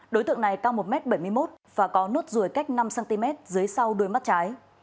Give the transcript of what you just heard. đối tượng này cao một m bảy mươi một và có nốt ruồi cách năm cm dưới sau đuôi mắt trái